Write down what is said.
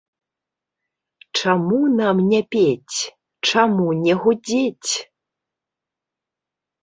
Чаму нам не пець, чаму не гудзець?!